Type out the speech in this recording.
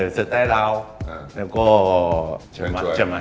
ครับผม